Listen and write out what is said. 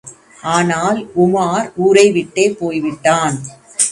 ஆனால், உமார் ஊரைவிட்டே போய்விட்டான்!